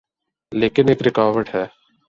لیکن ایک رکاوٹ ہے۔